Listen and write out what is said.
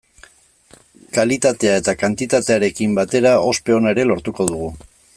Kalitatea eta kantitatearekin batera ospe ona ere lortuko dugu.